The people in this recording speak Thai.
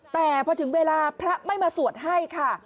แต่พอถึงเวลาพระไม่มาสวดให้ค่ะ